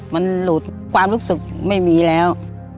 มันหลุดความรู้สึกไม่มีแล้ว